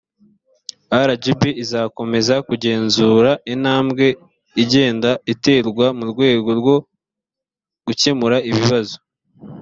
rgb izakomeza kugenzura intambwe igenda iterwa mu rwego rwo gukemura ibibazo